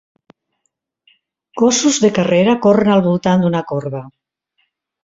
Gossos de carrera corren al voltant d'una corba.